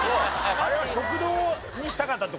あれは「食堂」にしたかったって事ですか？